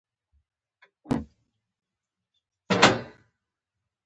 نورستان د افغانستان د ځایي اقتصادونو لپاره یو مهم بنسټ دی.